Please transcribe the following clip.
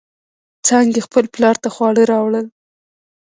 څانگې خپل پلار ته خواړه راوړل.